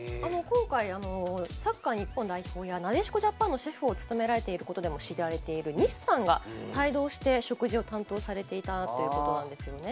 今回、サッカー日本代表や、なでしこジャパンのシェフを務められていることでも知られている西さんが帯同して食事を担当されていたということですよね。